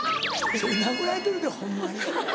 それ殴られてるでホンマに。